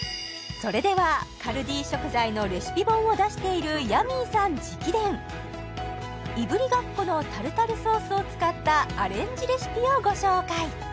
それではカルディ食材のレシピ本を出しているヤミーさん直伝いぶりがっこのタルタルソースを使ったアレンジレシピをご紹介